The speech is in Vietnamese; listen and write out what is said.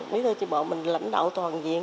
bí thư tri bộ mình lãnh đạo toàn diện